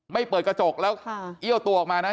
เปิดกระจกแล้วเอี้ยวตัวออกมานะ